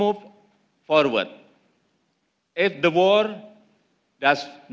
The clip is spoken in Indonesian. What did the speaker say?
akan sulit bagi dunia untuk bergerak ke depan